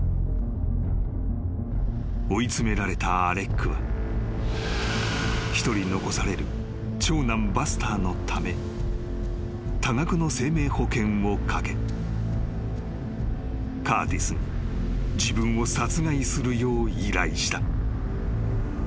［追い詰められたアレックは一人残される長男バスターのため多額の生命保険をかけカーティスに自分を殺害するよう依頼した］